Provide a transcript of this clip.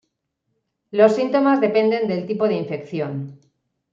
Los síntomas dependen del tipo de infección.